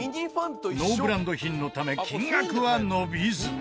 ノーブランド品のため金額は伸びず。